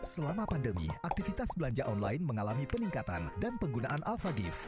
selama pandemi aktivitas belanja online mengalami peningkatan dan penggunaan alphadif